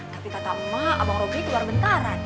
tapi kata emak abang roky keluar bentaran